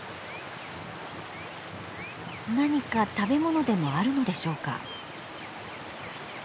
何か食べ物でもあるのでしょうか？